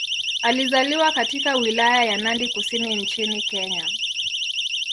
Alizaliwa katika Wilaya ya Nandi Kusini nchini Kenya.